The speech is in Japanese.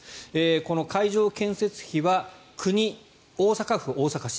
この会場建設費は国、大阪府、大阪市